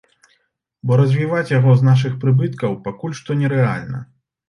Бо развіваць яго з нашых прыбыткаў пакуль што нерэальна.